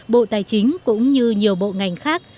bộ tài chính cũng như nhiều bộ ngành khác